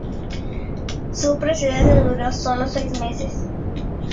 Su presidencia duró solo seis meses.